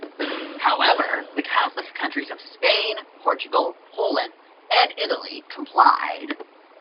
However, the Catholic countries of Spain, Portugal, Poland, and Italy complied.